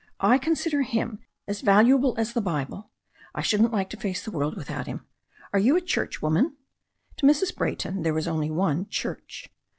I consider him as valuable as the Bible. I shouldn't like to face the world without him. Are you a churchwoman ?" To Mrs. Bra)rton there was only one "Church."